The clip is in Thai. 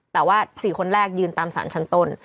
แต่ว่า๔คนแรกยืนตามสารชั้นต้น